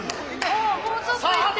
もうちょっといって。